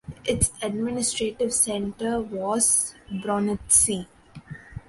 Its administrative centre was Bronnitsy.